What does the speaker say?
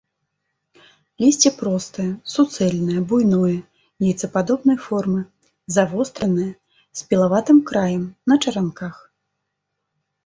Лісце простае, суцэльнае, буйное, яйцападобнай формы, завостранае, з пілаватым краем, на чаранках.